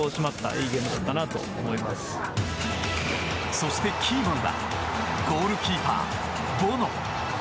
そしてキーマンはゴールキーパー、ボノ。